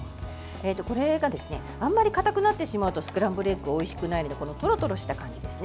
これがあんまりかたくなってしまうとスクランブルエッグおいしくないのでとろとろした感じですね。